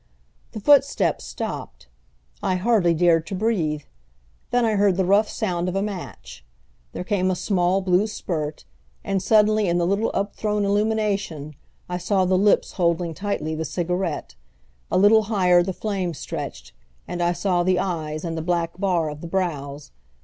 The footsteps stopped. I hardly dared to breathe. Then I heard the rough sound of a match; there came a small blue spurt, and suddenly in the little upthrown illumination I saw the lips holding tightly the cigarette; a little higher the flame stretched, and I saw the eyes and the black bar of the brows.